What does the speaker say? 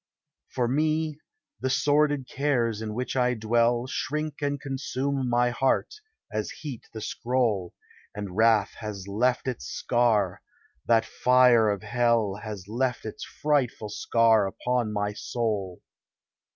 For me, the sordid cares in which I dwell, Shrink and consume my heart, as heat the scroll ; And wrath has left its scar — that fire of hell Has left its frightful scar upon my soul.